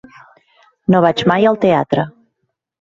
No vaig mai al teatre.